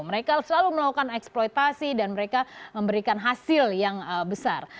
mereka selalu melakukan eksploitasi dan mereka memberikan hasil yang besar